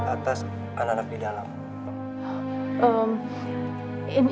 atas anak anak di dalam